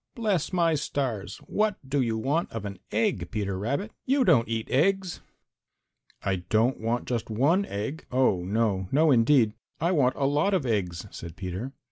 "Bless my stars! What do you want of an egg, Peter Rabbit? You don't eat eggs." "I don't want just one egg, oh, no, no indeed! I want a lot of eggs," said Peter.